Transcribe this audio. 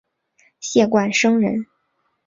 谢冠生人。